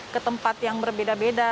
ke tempat yang berbeda beda